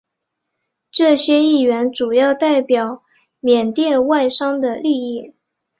这些议员主要代表缅甸外商的利益。